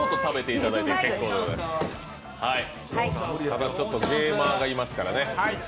ただちょっとゲーマーがいますからね。